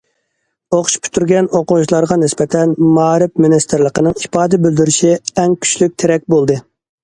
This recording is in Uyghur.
ئوقۇش پۈتتۈرگەن ئوقۇغۇچىلارغا نىسبەتەن، مائارىپ مىنىستىرلىقىنىڭ ئىپادە بىلدۈرۈشى ئەڭ كۈچلۈك تىرەك بولدى.